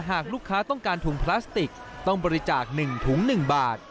หากลูกค้าต้องการถุงพลาสติกต้องบริจาค๑ถุง๑บาท